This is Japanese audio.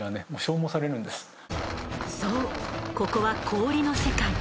そうここは氷の世界。